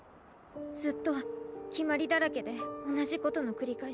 ずっときまりだらけでおなじことのくりかえし。